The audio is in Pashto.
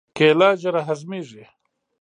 کېله ژر هضمېږي.